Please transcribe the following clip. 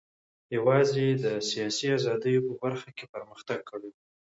یوازې د سیاسي ازادیو په برخه کې پرمختګ کړی و.